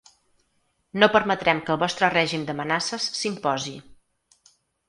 No permetrem que el vostre règim d’amenaces s’imposi.